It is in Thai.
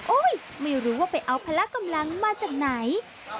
ไม่รู้ว่าไปเอาพละกำลังมาจากไหน